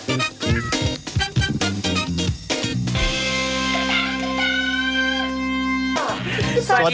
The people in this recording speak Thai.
โอเคนะคะสุดยอด